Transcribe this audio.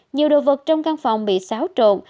nhiều đồ vật trong căn phòng bị xáo trộn